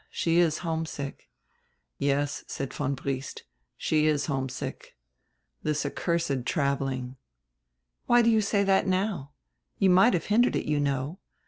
She is homesick." "Yes," said von Briest, "she is homesick. This accursed traveling —" "Why do you say drat now! You might have hindered it, you know.